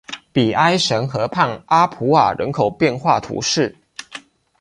比埃什河畔阿普尔人口变化图示